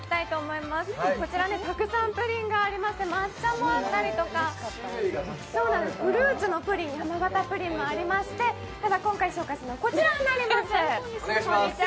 こちら、たくさんプリンがありまして、抹茶もあったりとか、フルーツのプリン、山形プリンもありまして、今回、紹介するのはこちらになります。